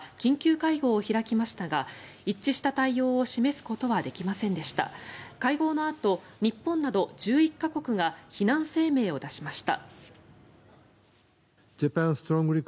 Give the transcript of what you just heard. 会合のあと、日本など１１か国が非難声明を出しました。